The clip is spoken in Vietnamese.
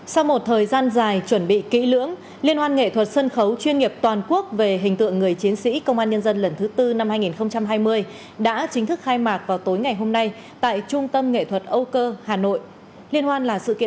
sau một thời gian dài chuẩn bị kỹ lưỡng liên hoan nghệ thuật sân khấu chuyên nghiệp toàn quốc về hình tượng người chiến sĩ công an nhân dân lần thứ tư năm hai nghìn hai mươi đã chính thức khai mạc vào tối ngày hôm nay tại trung tâm nghệ thuật âu cơ hà nội